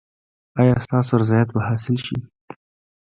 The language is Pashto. ایا ستاسو رضایت به حاصل شي؟